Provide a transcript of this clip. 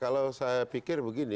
kalau saya pikir begini